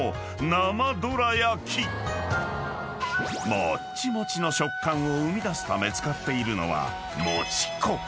［もっちもちの食感を生み出すため使っているのは］